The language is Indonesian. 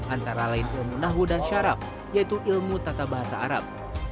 antara lain ilmu nahwu dan syaraf yaitu ilmu tata bahasa arab